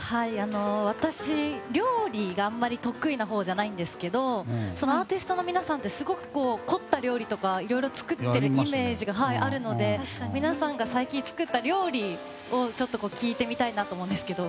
私、料理があまり得意なほうじゃないんですけどアーティストの皆さんってすごく凝った料理とか、いろいろ作ってるイメージがあるので皆さんが最近作った料理を聞いてみたいと思うんですけど。